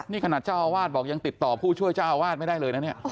นี่ขนาดเจ้าอาวาสบอกยังติดต่อผู้ช่วยเจ้าอาวาสไม่ได้เลยนะเนี่ย